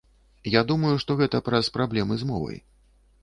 Я думаю, што гэта праз праблемы з мовай.